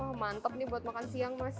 wah mantap nih buat makan siang mas